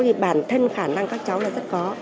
thì bản thân khả năng các cháu là rất khó